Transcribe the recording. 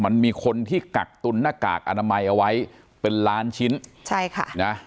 มันมีคนที่กักตุนหน้ากากอนามัยเอาไว้เป็นล้านชิ้นใช่ค่ะนะ